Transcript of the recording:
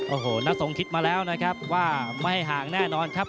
โอ้โหน้าทรงคิดมาแล้วนะครับว่าไม่ห่างแน่นอนครับ